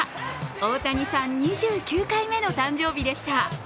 大谷さん２９回目の誕生日でした。